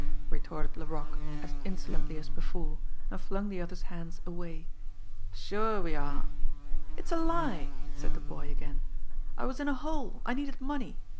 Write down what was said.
retorted Laroque, as insolently as before and flung the other's hands away. "Sure, we are!" "It's a lie!" said the boy again. "I was in a hole. I needed money.